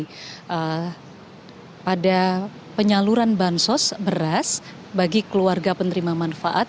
jadi pada penyaluran bansos beras bagi keluarga penerimaan manfaat